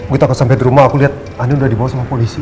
kita sampai di rumah aku lihat andi sudah dibawa sama polisi